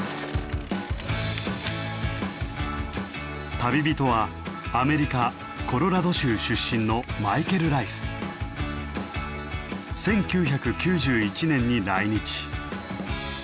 旅人はアメリカ・コロラド州出身の１９９１年に来日。